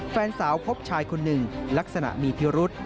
แฟนสาวพบชายคนหนึ่งลักษณะมีพิรุษ